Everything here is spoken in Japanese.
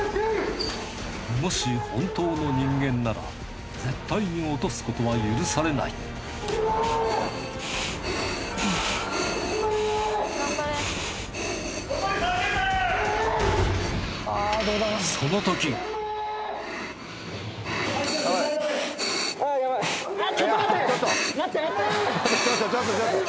もし本当の人間なら絶対に落とすことは許されない待って。